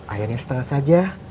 airnya setengah saja